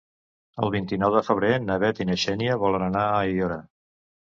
El vint-i-nou de febrer na Bet i na Xènia volen anar a Aiora.